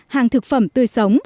hàng thực phẩm tươi sống